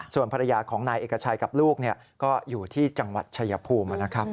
ส่วนภรรยาของนายเอกชัยกับลูกก็อยู่ที่จังหวัดชายภูมินะครับ